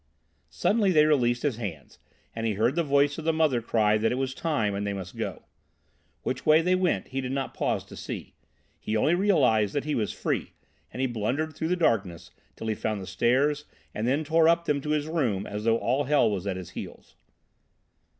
Suddenly they released his hands and he heard the voice of the mother cry that it was time, and they must go. Which way they went he did not pause to see. He only realised that he was free, and he blundered through the darkness till he found the stairs and then tore up them to his room as though all hell was at his heels.